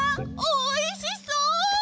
おいしそう！